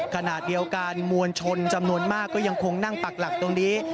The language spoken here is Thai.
ขณะเดียวกันมวลชนจำนวนมากก็ยังคงนั่งปักหลักตรงนี้